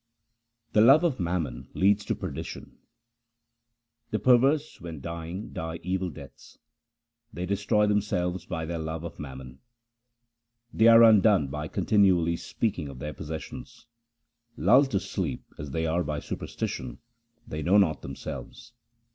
The love of mammon leads to perdition :— The perverse when dying die evil deaths ; They destroy themselves by their love of mammon ; They are undone by continually speaking of their posses sions : Lulled to sleep as they are by superstition, they know not themselves.